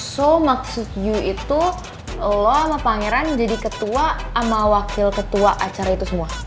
so maksud you itu lo sama pangeran jadi ketua sama wakil ketua acara itu semua